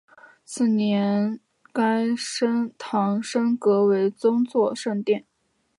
次年该堂升格为宗座圣殿。